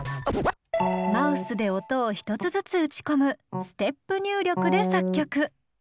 マウスで音を１つずつ打ち込むステップ入力で作曲。